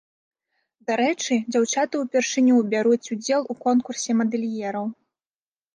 Дарэчы, дзяўчаты ўпершыню бяруць удзел у конкурсе мадэльераў.